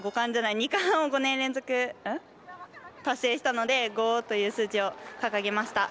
２冠を５年連続達成したので５という数字を掲げました。